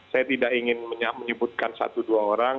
saya tidak ingin menyebutkan satu dua orang